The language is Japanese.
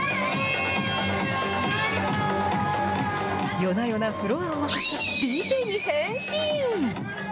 夜な夜なフロアを沸かすＤＪに変身。